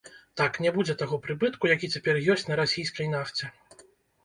Так, не будзе таго прыбытку, які цяпер ёсць на расійскай нафце.